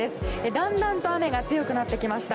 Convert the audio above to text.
だんだんと雨が強くなってきました。